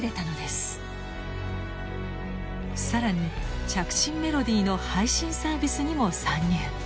更に着信メロディーの配信サービスにも参入。